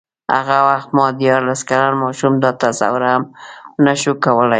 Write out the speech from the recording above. هغه وخت ما دیارلس کلن ماشوم دا تصور هم نه شو کولای.